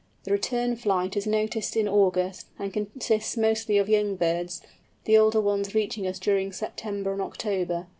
The return flight is noticed in August, and consists mostly of young birds, the older ones reaching us during September and October.